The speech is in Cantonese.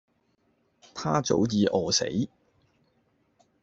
她早己餓死